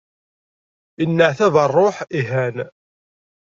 Yenneɛtab rruḥ, ihan.